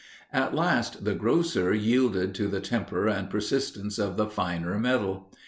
At last the grosser yielded to the temper and persistence of the finer metal.